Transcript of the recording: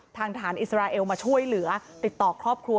ทหารอิสราเอลมาช่วยเหลือติดต่อครอบครัว